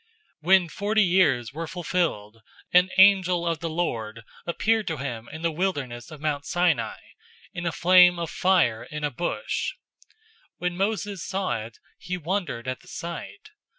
007:030 "When forty years were fulfilled, an angel of the Lord appeared to him in the wilderness of Mount Sinai, in a flame of fire in a bush. 007:031 When Moses saw it, he wondered at the sight.